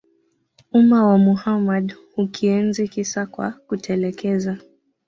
umma wa Muhammad Hukienzi kisa kwa kutekeleza